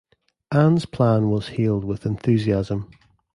Anne’s plan was hailed with enthusiasm.